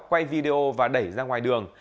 quay video và đẩy ra ngoài đường